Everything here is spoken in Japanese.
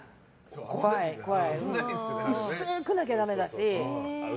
薄くなきゃだめだし。